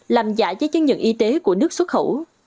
làm giả giấy chứng nhận y tế của nước xuất khẩu